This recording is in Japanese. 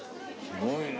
すごいね。